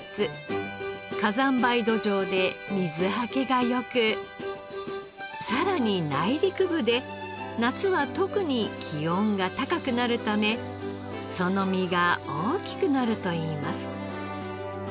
火山灰土壌で水はけが良くさらに内陸部で夏は特に気温が高くなるためその実が大きくなるといいます。